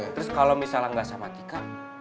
terus kalo misalnya ga sama tika